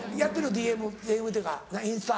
ＤＭＤＭというかインスタ。